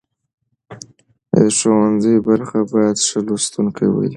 د ښوونځي برخه باید ښه لوستونکي ولري.